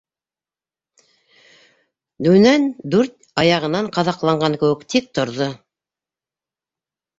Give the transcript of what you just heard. Дүнән дүрт аяғынан ҡаҙаҡланған кеүек тик торҙо.